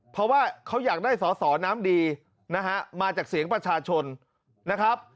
เพราะว่าเขาอยากได้สอสอน้ำดีนะฮะมาจากเสียงประชาชนนะครับ